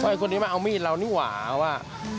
ก็ไอ้คนนี้มาเอามีดเรานี่หว่าว่า